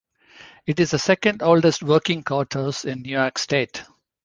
It is the second oldest working courthouse in New York State.